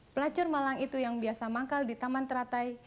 pelacur malang itu yang biasa manggal di taman teratai